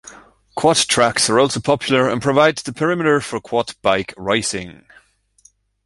Quad tracks are also popular and provide the perimeter for Quad bike racing.